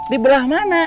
di belah mana